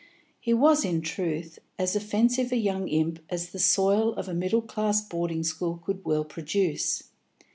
He was, in truth, as offensive a young imp as the soil of a middle class boarding school could well produce.